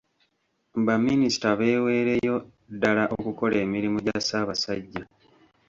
Baminisita beeweereyo ddala okukola emirimu gya Ssaabasajja.